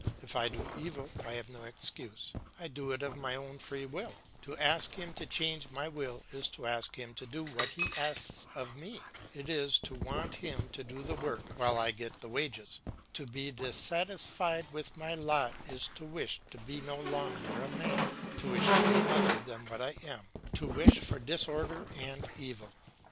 If I do evil, I have no excuse; I do it of my own free will; to ask him to change my will is to ask him to do what he asks of me; it is to want him to do the work while I get the wages; to be dissatisfied with my lot is to wish to be no longer a man, to wish to be other than what I am, to wish for disorder and evil.